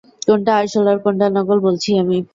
কোনটা আসল আর কোনটা নকল, বলছি আমি।